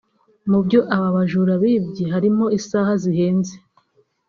Mu byo aba bajura bibye harimo isaha zihenze